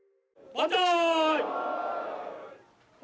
万歳！